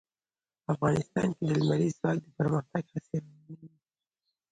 افغانستان کې د لمریز ځواک د پرمختګ هڅې روانې دي.